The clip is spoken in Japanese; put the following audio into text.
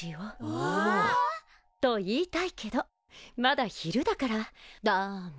うわ！と言いたいけどまだ昼だからダメ。